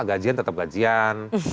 gajian tetap gajian